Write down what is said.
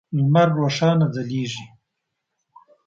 لمر روښانه ځلیږی